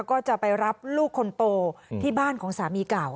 ก็จะไปรับลูกคนโตที่บ้านของสามีเก่า